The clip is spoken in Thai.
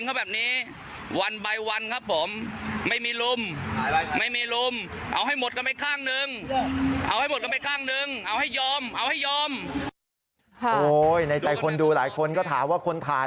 โอ้ยไหนใจคนดูหลายคนก็ถามว่า